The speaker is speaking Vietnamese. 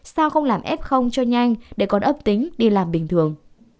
sao không làm ép không cho nhanh để còn âm tính đi làm bình thường